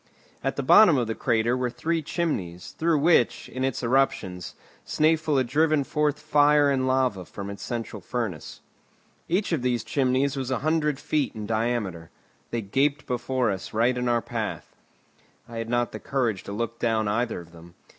At the bottom of the crater were three chimneys, through which, in its eruptions, Snæfell had driven forth fire and lava from its central furnace. Each of these chimneys was a hundred feet in diameter. They gaped before us right in our path. I had not the courage to look down either of them.